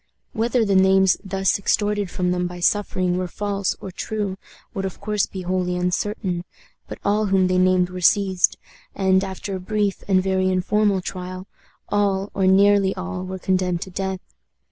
Whether the names thus extorted from them by suffering were false or true would of course be wholly uncertain, but all whom they named were seized, and, after a brief and very informal trial, all, or nearly all, were condemned to death.